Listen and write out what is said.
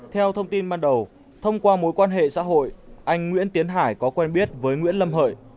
theo thông tin ban đầu thông qua mối quan hệ xã hội anh nguyễn tiến hải có quen biết với nguyễn lâm hợi